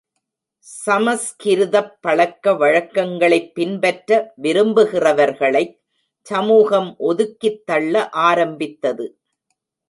சமஸ்கிருதப் பழக்க வழக்கங்களைப் பின்பற்ற விரும்புகிறவர்களைச் சமூகம் ஒதுக்கித் தள்ள ஆரம்பித்தது.